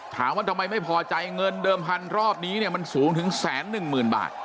ถามว่าทำไมไม่พอใจเงินเดิมพันรอบนี้เนี่ยมันสูงถึง๑๑๐๐๐บาท